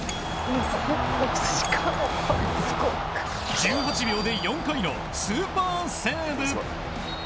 １８秒で４回のスーパーセーブ！